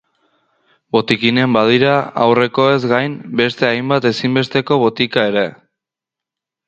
Botikinean badira, aurrekoez gain, beste hainbat ezinbesteko botika ere.